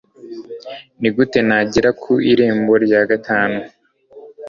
nigute nagera ku irembo rya gatanu